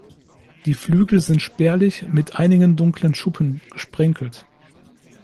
Die Flügel sind spärlich mit einigen dunklen Schuppen gesprenkelt.